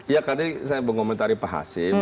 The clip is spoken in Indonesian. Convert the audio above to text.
ya tadi saya mengomentari pak hasim